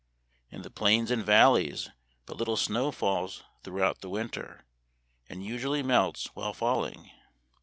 In the plains and valleys but little snow falls through out the winter, and usually melts while falling.